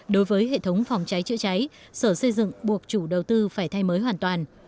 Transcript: đối với hệ thống phòng cháy chữa cháy sở xây dựng buộc chủ đầu tư phải thay mới hoàn toàn